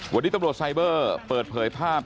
วันนี้ตำรวจไซเบอร์เปิดเผยภาพ